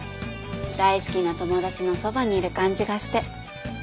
大好きな友達のそばにいる感じがして。